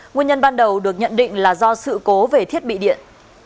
nguyên nhân ban đầu được nhận định là do sự cố về thiết bị điện